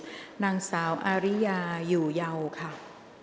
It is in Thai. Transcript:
กรรมการท่านแรกนะคะได้แก่กรรมการใหม่เลขกรรมการขึ้นมาแล้วนะคะ